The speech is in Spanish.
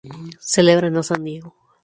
Celebran a San Diego.